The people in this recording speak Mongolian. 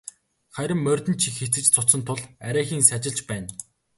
Харин морьд нь их эцэж цуцсан тул арайхийн сажилж байна.